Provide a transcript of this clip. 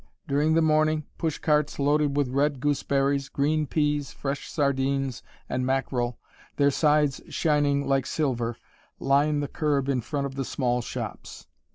During the morning, push carts loaded with red gooseberries, green peas, fresh sardines, and mackerel, their sides shining like silver, line the curb in front of the small shops.